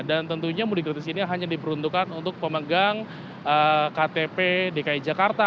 dan tentunya mudik gratis ini hanya diperuntukkan untuk pemegang ktp dki jakarta